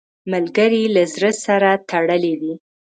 ملګری له زړه سره تړلی وي